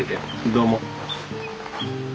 どうも。